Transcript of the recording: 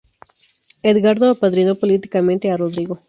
Edgardo apadrinó políticamente a Rodrigo.